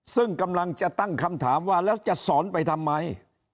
ซึ่งกำลังจะตั้งคำถามว่าแล้วจะสอนไปทำไม